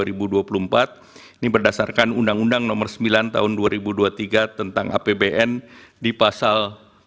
ini berdasarkan undang undang nomor sembilan tahun dua ribu dua puluh tiga tentang apbn di pasal